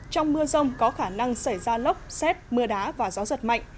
trong mưa rông có khả năng xảy ra lốc xét mưa đá và gió giật mạnh